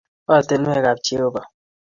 Ortinwekab Jehovah.